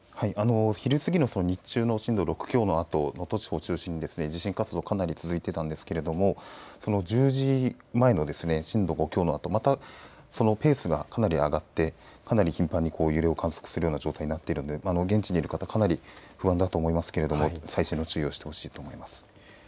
昼過ぎの震度６強、能登地方を中心に地震活動かなり続いてたんですけれど１０時前の震度５強のあとまたペースがかなり上がってかなり頻繁に揺れを観測する状況になっているので現地にいる方かなり不安だと思いますけれど細心の注意をしてほしいと思います。